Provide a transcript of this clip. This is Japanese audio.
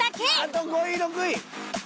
あと５位６位。